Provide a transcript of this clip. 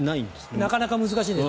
なかなか難しいです。